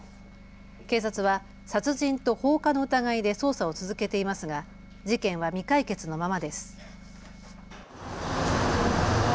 警察は殺人と放火の疑いで捜査を続けていますが事件は未解決のままです。